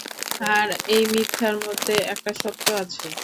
আর এই মিথ্যার মধ্যে একটা সত্য আছে।